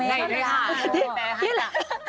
แม่แหละ